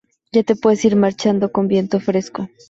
Ya te puedes ir marchando con viento fresco